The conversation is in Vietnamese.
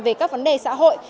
về các vấn đề xã hội